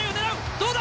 どうだ？